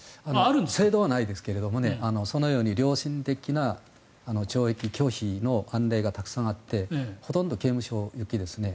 制度はないですけどそのように良心的な徴兵拒否の例もたくさんあってほとんど刑務所行きですね。